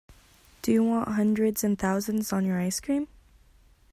Do you want hundreds and thousands on your ice cream?